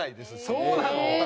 そうなの？